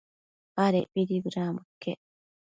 Adecbidi bëdanbo iquec